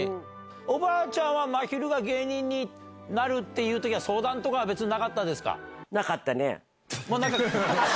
おばあちゃんは、まひるが芸人になるっていうときに、相談とかは別になかったですなかったね。